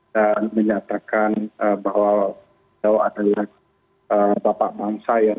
dan menyatakan bahwa beliau adalah bapak bangsa yang tidak pernah melakukan pekerjaan